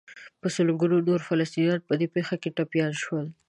په سلګونو نور فلسطینیان په دې پېښه کې ټپیان شول.